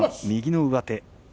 右の上手。